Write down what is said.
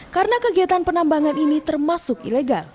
karena kegiatan penambangan ini termasuk ilegal